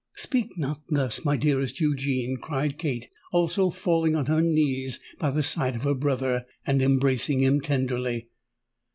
"Speak not thus, my dearest Eugene!" cried Kate, also falling on her knees by the side of her brother, and embracing him tenderly.